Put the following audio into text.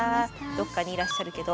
どっかにいらっしゃるけど。